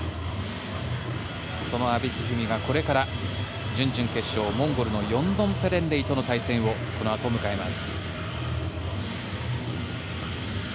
その阿部一二三がこれから準々決勝モンゴルのヨンドンペレンレイとの対戦をこのあと迎えます。